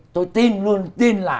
tôi tin luôn tin là